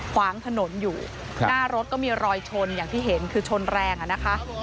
ขวางถนนอยู่หน้ารถก็มีรอยชนอย่างที่เห็นคือชนแรงอ่ะนะคะ